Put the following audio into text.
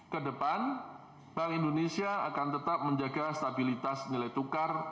kedepan bank indonesia akan tetap menjaga stabilitas nilai tukar